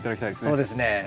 そうですね。